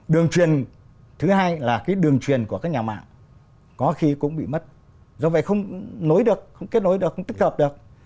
đường truyền thứ hai là cái đường truyền của các nhà mạng có khi cũng bị mất do vậy không nối được không kết nối được không tích hợp được